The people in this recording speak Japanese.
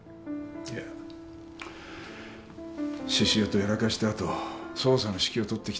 いや獅子雄とやらかした後捜査の指揮を執ってきたが。